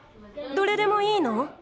どれでもいいの？